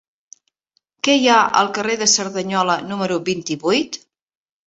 Què hi ha al carrer de Cerdanyola número vint-i-vuit?